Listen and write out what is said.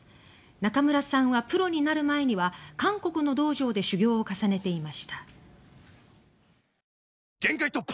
仲邑さんはプロになる前には韓国の道場で修行を重ねていました。